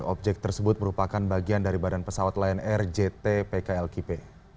objek tersebut merupakan bagian dari badan pesawat lion air jt pklkp